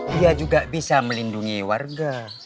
dia juga bisa melindungi warga